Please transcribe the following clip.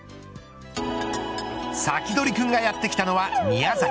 サキドリ君がやってきたのは宮崎。